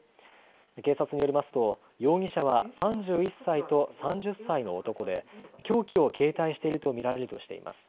警察によりますと容疑者は３１歳と３０歳の男で凶器を携帯していると見られるとしています。